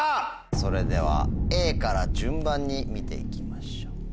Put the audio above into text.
それではＡから順番に見ていきましょう。